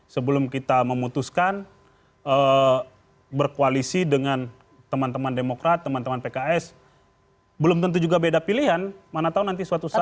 sebelum kita memutuskan berkoalisi dengan teman teman demokrat teman teman pks belum tentu juga beda pilihan mana tahu nanti suatu saat